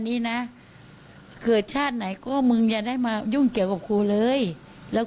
นี้นะเกิดชาติไหนก็มึงอย่าได้มายุ่งเกี่ยวกับครูเลยแล้ว